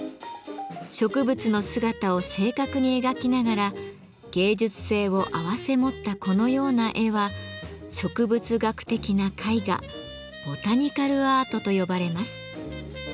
植物の姿を正確に描きながら芸術性を併せ持ったこのような絵は植物学的な絵画「ボタニカルアート」と呼ばれます。